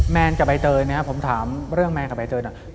แมนกับไอเติร์นผมถามเรื่องแมนกับไอเติร์น